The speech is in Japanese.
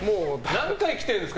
何回来てるんですか